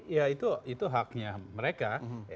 ya itu haknya mereka